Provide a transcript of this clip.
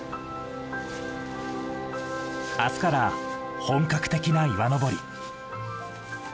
明日から本格的な岩登り。